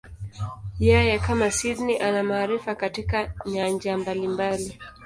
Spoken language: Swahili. Yeye, kama Sydney, ana maarifa katika nyanja mbalimbali.